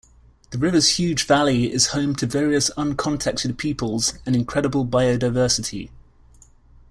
The river's huge valley is home to various uncontacted peoples and incredible biodiversity.